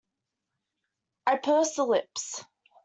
I pursed the lips.